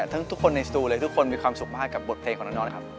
ทุกคนในสตูเลยทุกคนมีความสุขมากกับบทเพลงของน้องนะครับ